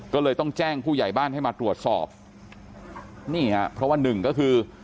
ก็เลยต้องแจ้งผู้ใหญ่บ้านให้มาตรวจสอบนี่ฮะเพราะว่าหนึ่งก็คือ